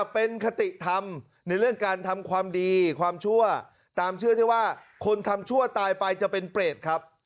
เป็นคติธรรมในเรื่องการทำความดีความชั่วตามเชื่อที่ว่าคนทำชั่วตายไปจะเป็นเปรตครับ